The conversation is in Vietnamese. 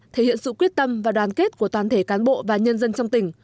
thể hiện sự quyết tâm và đoàn kết của toàn thể cán bộ và nhân dân trong tỉnh